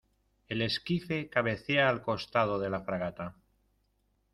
el esquife cabecea al costado de la fragata.